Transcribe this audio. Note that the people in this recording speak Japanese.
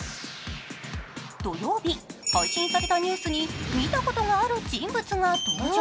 土曜日、配信されたニュースに見たことのある人物が登場。